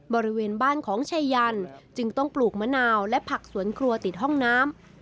บริเวณบ้านของชายันจึงต้องปลูกมะนาวและผักสวนครัวติดห้องน้ำ